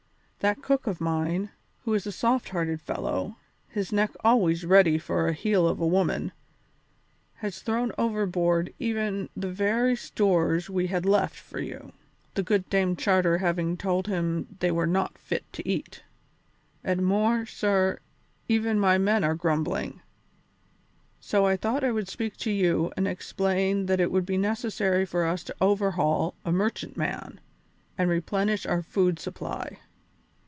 That cook of mine, who is a soft hearted fellow, his neck always ready for the heel of a woman, has thrown overboard even the few stores we had left for you, the good Dame Charter having told him they were not fit to eat. And more, sir, even my men are grumbling. So I thought I would speak to you and explain that it would be necessary for us to overhaul a merchantman and replenish our food supply.